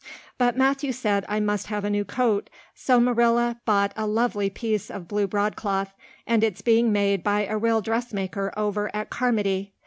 But Matthew said I must have a new coat, so Marilla bought a lovely piece of blue broadcloth, and it's being made by a real dressmaker over at Carmody.